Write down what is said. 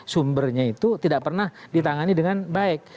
sumbernya itu tidak pernah ditangani dengan baik